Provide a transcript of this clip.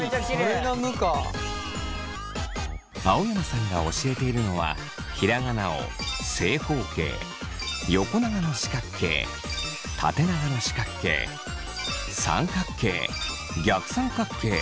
青山さんが教えているのはひらがなを正方形横長の四角形縦長の四角形三角形逆三角形